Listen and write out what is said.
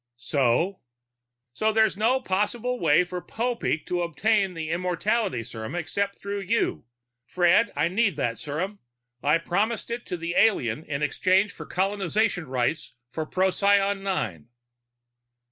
"So?" "So there's no possible way for Popeek to obtain the immortality serum except through you. Fred, I need that serum. I've promised it to the alien in exchange for colonization rights on Procyon VIII."